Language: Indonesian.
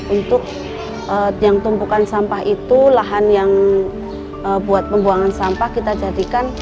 untuk yang tumpukan sampah itu lahan yang buat pembuangan sampah kita jadikan